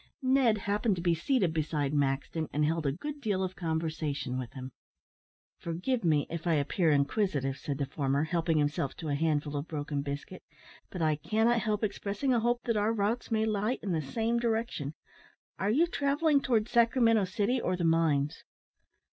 Ned happened to be seated beside Maxton, and held a good deal of conversation with him. "Forgive me, if I appear inquisitive," said the former, helping himself to a handful of broken biscuit, "but I cannot help expressing a hope that our routes may lie in the same direction are you travelling towards Sacramento city or the mines?"